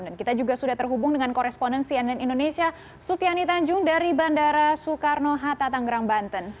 dan kita juga sudah terhubung dengan koresponensi ann indonesia sufiani tanjung dari bandara soekarno hatta tangerang banten